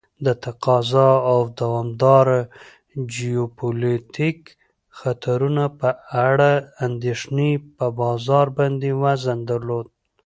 د تقاضا او دوامداره جیوپولیتیک خطرونو په اړه اندیښنې په بازار باندې وزن درلود.